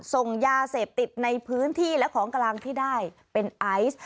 ส่งยาเสพติดในพื้นที่และของกลางที่ได้เป็นไอซ์